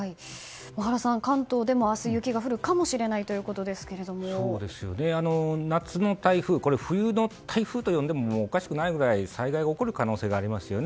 原さん、関東でも明日雪が降る可能性があるということですがこれは冬の台風と呼んでもおかしくないくらい災害が起こる可能性ありますよね。